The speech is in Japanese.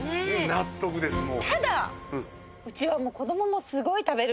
納得ですもう。